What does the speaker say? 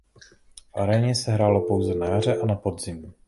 V aréně se hrálo pouze na jaře a na podzim.